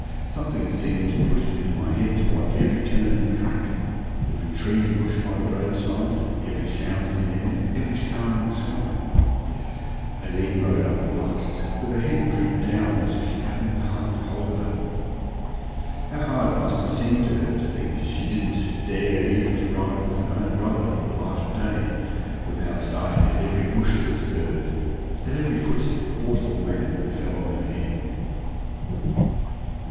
Something seemed to put it into my head to watch every turn in the track every tree and bush by the roadside every sound in the air every star in the sky. Aileen rode along at last with her head drooped down as if she hadn't the heart to hold it up. How hard it must have seemed to her to think she didn't dare even to ride with her own brother in the light of day without starting at every bush that stirred at every footstep, horse or man, that fell on her ear!